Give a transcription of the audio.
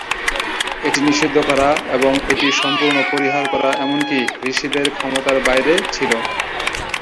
এটি নিষিদ্ধ করা এবং এটি সম্পূর্ণ পরিহার করা এমনকি ঋষিদের ক্ষমতার বাইরে ছিল।